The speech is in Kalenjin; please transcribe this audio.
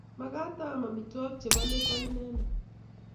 Magat aam amitwogik Che bo bet ak inendet.